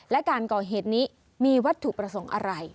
และการก่อเหตุนี้มีวัตถุประสงค์อะไร